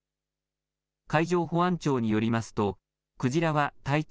海上保安庁によりますと、鯨は体長